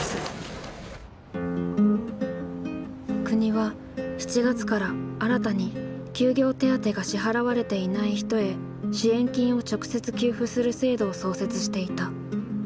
国は７月から新たに休業手当が支払われていない人へ支援金を直接給付する制度を創設していた。